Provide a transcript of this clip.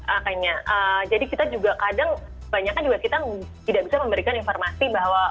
akhirnya jadi kita juga kadang banyak kan juga kita tidak bisa memberikan informasi bahwa